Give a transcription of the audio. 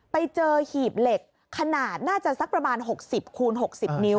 ไปเจอหีบเหล็กขนาดน่าจะสักประมาณ๖๐คูณ๖๐นิ้ว